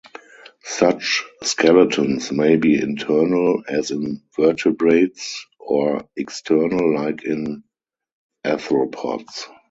Such skeletons may be internal, as in vertebrates, or external, like in arthropods.